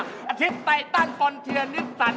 อาทิตย์ไตตันฟอนเทียนิสสัน